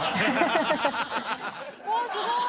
うわっすごい！